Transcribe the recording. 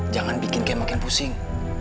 jangan bikin kayak makin pusing